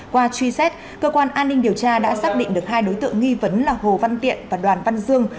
qua truy xét cơ quan an ninh điều tra đã xác định được hai đối tượng nghi vấn là hồ văn tiện và đoàn văn dương